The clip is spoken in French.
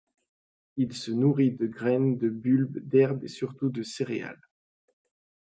Il se nourrit de graines, de bulbes, d'herbes et surtout de céréales.